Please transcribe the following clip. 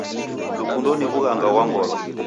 Lukundo ni wughanga ghwa ngolo